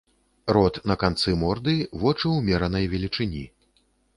Рот на канцы морды, вочы ўмеранай велічыні.